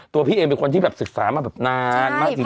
ตัวพี่เอ็มเป็นคนที่ศึกษามานานมากจริง